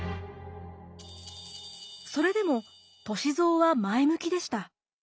それでも歳三は前向きでした。